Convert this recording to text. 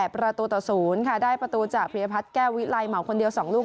ประตูต่อ๐ค่ะได้ประตูจากพิยพัฒน์แก้ววิไลเหมาคนเดียว๒ลูก